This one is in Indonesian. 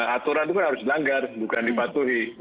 aturan itu kan harus dilanggar bukan dipatuhi